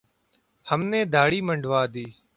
ہم نے دھاڑی منڈوادی